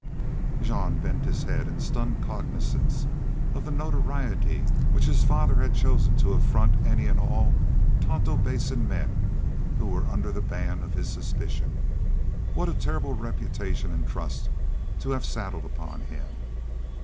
'" Jean bent his head in stunned cognizance of the notoriety with which his father had chosen to affront any and all Tonto Basin men who were under the ban of his suspicion. What a terrible reputation and trust to have saddled upon him!